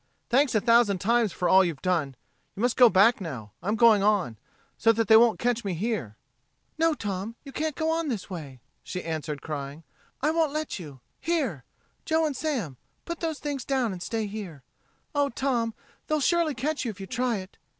"Thanks a thousand times for all you've done. You must go back now. I'm going on so that they won't catch me here." "No, Tom, you can't go this way," she answered, crying. "I won't let you. Here! Joe and Sam put those things down and stay here. Oh, Tom, they'll surely catch you if you try it."